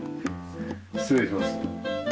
失礼します。